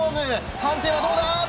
判定はどうだ。